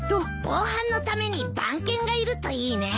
防犯のために番犬がいるといいね。